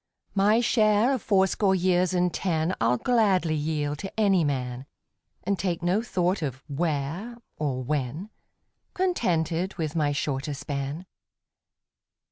My share of fourscore years and ten I'll gladly yield to any man, And take no thought of " where " or " when," Contented with my shorter span.